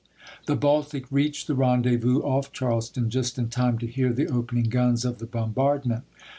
The Baltic reached the rendezvous off Charleston just in time to hear the opening guns of the bombardment.